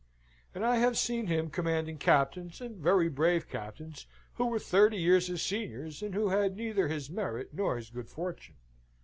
"And I have seen him commanding captains, and very brave captains, who were thirty years his seniors, and who had neither his merit nor his good fortune.